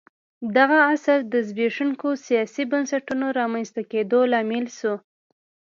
دغه عصر د زبېښونکو سیاسي بنسټونو رامنځته کېدو لامل شو